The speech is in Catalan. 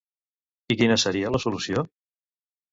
I quina seria la solució?